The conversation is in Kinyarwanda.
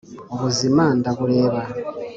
ubuzima ndabureba